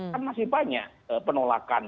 kan masih banyak penolakan